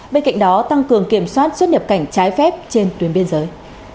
bên cạnh đó tăng cường kiểm soát xuất nhập cảnh trái phép trên tuyến biên giới